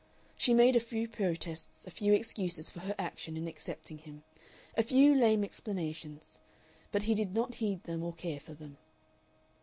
She made a few protests, a few excuses for her action in accepting him, a few lame explanations, but he did not heed them or care for them.